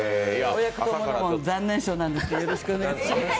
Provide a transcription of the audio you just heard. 親子ともども残念賞なんですけどよろしくお願いします。